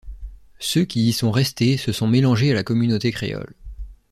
Ceux qui y sont restés se sont mélangés à la communauté créole.